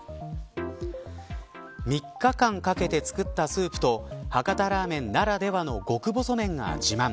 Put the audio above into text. ３日間かけて作ったスープと博多ラーメンならではの極細麺が自慢。